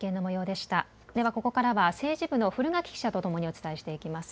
ではここからは政治部の古垣記者と共にお伝えしていきます。